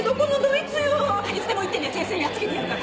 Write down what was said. いつでも言ってね先生やっつけてやるから。